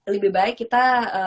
lebih baik kita